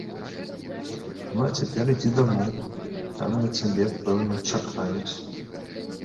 Ну, а цяпер ідзі дамоў, там на цябе, пэўне, чакаюць.